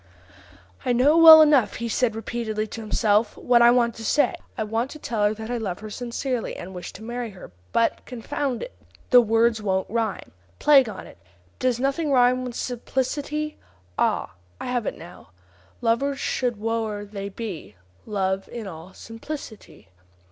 "I know well enough," he said repeatedly to himself, "what I want to say. I want to tell her that I love her sincerely, and wish to marry her; but, confound it! the words won't rhyme. Plague on it! Does nothing rhyme with 'simplicity'? Ah! I have it now: 'Lovers should, whoe'er they be, Love in all simplicity.